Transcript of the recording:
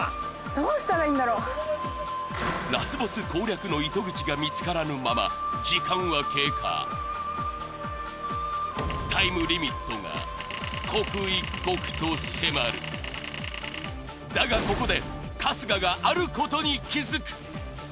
ラスボス攻略の糸口が見つからぬまま時間は経過タイムリミットが刻一刻と迫るだがここで春日があることに気づく